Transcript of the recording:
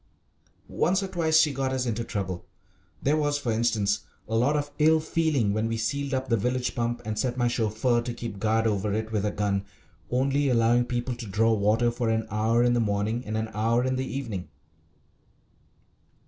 Once or twice she got us into trouble. There was, for instance, a lot of ill feeling when we sealed up the village pump and set my chauffeur to keep guard over it with a gun, only allowing people to draw water for an hour in the morning and an hour in the evening.